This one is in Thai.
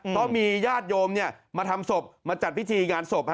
เพราะมีญาติโยมมาทำศพมาจัดพิธีงานศพ